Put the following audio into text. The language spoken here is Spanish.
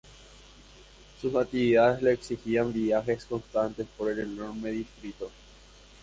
Sus actividades le exigían viajes constantes por el enorme distrito.